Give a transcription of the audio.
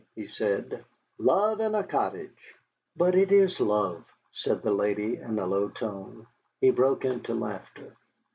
he said, "love in a cottage." "But it is love," said the lady, in a low tone. He broke into laughter.